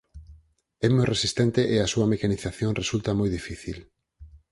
É moi resistente e a súa mecanización resulta moi difícil.